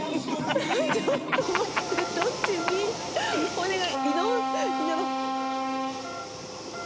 お願い！」